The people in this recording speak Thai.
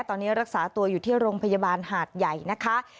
ตอนนี้รักษาตัวอยู่ที่โรงพยาบาลหาดใหญ่นะคะ